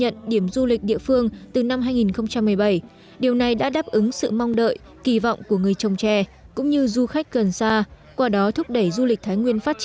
hương sắc trà xuân